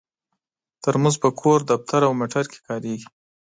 ترموز په کور، دفتر او موټر کې کارېږي.